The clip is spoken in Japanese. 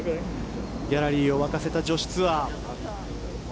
ギャラリーを沸かせた女子ツアー。